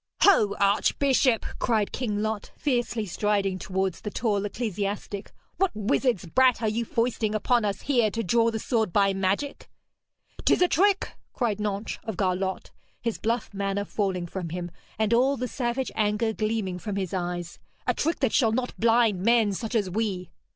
'Ho, archbishop!' cried King Lot, fiercely striding towards the tall ecclesiastic, 'what wizard's brat are you foisting upon us here to draw the sword by magic?' ''Tis a trick!' cried Nentres of Garlot, his bluff manner falling from him, and all the savage anger gleaming from his eyes. 'A trick that shall not blind men such as we!'